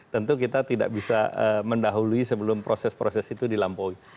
tentu kita tidak bisa mendahului sebelum proses proses itu dilampaui